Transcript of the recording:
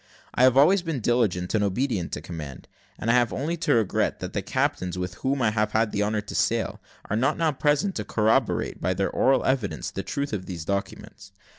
I have always been diligent and obedient to command; and I have only to regret that the captains, with whom I have had the honour to sail, are not now present to corroborate, by their oral evidence, the truth of these documents.